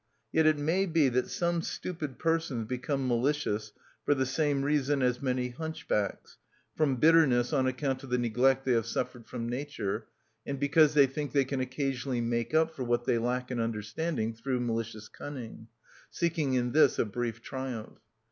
Yet it may be that many stupid persons become malicious for the same reason as many hunchbacks, from bitterness on account of the neglect they have suffered from nature, and because they think they can occasionally make up for what they lack in understanding through malicious cunning, seeking in this a brief triumph.